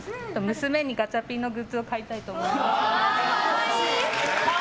娘にガチャピンのグッズを買いたいと思っています。